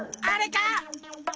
あれか？